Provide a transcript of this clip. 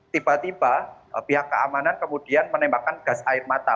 tiba tiba pihak keamanan kemudian menembakkan gas air mata